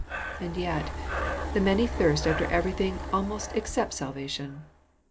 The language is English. And yet the many thirst after everything almost except salvation.